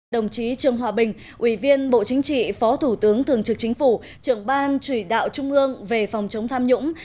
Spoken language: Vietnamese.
đồng chí trương hòa bình ủy viên bộ chính trị phó thủ tướng thường trực chính phủ trưởng ban chỉ đạo trung ương về phòng chống tham nhũng